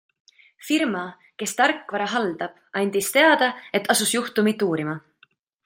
Firma, kes tarkvara haldab, andis teada, et asus juhtumit uurima.